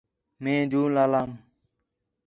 مئے جوں لالام